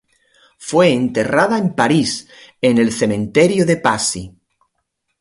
Fue enterrada en París, en el Cementerio de Passy.